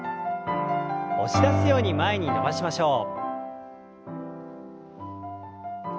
押し出すように前に伸ばしましょう。